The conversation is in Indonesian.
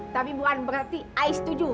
tapi bukan berarti ais setuju